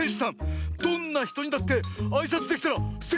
どんなひとにだってあいさつできたらすてきだよ！